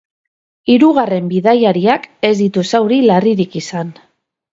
Hirugarren bidaiariak ez ditu zauri larririk izan.